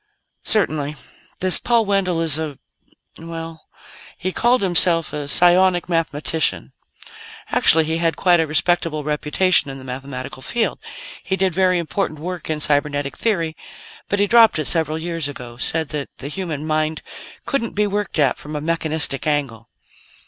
"Certainly. This Paul Wendell is a well, he called himself a psionic mathematician. Actually, he had quite a respectable reputation in the mathematical field. He did very important work in cybernetic theory, but he dropped it several years ago said that the human mind couldn't be worked at from a mechanistic angle.